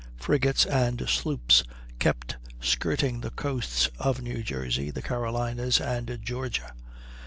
Frigates and sloops kept skirting the coasts of New Jersey, the Carolinas, and Georgia.